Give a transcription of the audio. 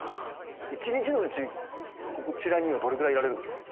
一日のうちこちらにはどれぐらいいられるんですか？